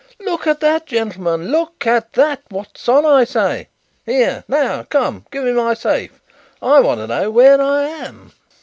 Look at that, gentlemen; look at that. What's on, I say? Here now, come; give me my safe. I want to know where I am."